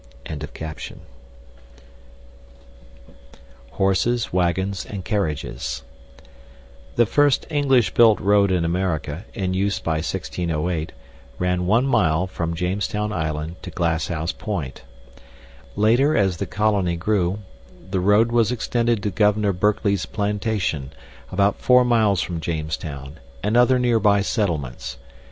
] HORSES, WAGONS, AND CARRIAGES The first English built road in America (in use by 1608) ran 1 mile from Jamestown Island to Glasshouse Point. Later, as the colony grew, the road was extended to Governor Berkeley's plantation, about 4 miles from Jamestown, and other nearby settlements.